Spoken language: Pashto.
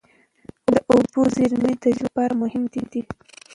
د اوبو زېرمې د ژوند لپاره مهمې دي.